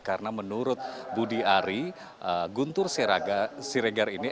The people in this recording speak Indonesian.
karena menurut budi ari guntur siregar ini ex dari sekjen relawan projo ini